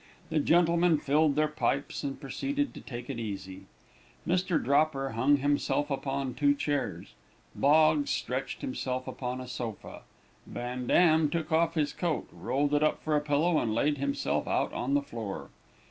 The gentlemen filled their pipes and proceeded to take it easy. Mr. Dropper hung himself upon two chairs; Boggs stretched himself upon a sofa; Van Dam took off his coat, rolled it up for a pillow, and laid himself out on the floor.